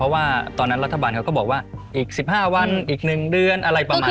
ว่าตอนนั้นรัฐบาลเขาก็บอกว่าอีก๑๕วันอีก๑เดือนอะไรประมาณ